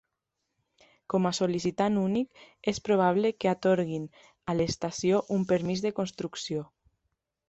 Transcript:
Com a sol·licitant únic, és probable que atorguin a l'estació un permís de construcció.